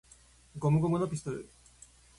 ゴムゴムのピストル!!!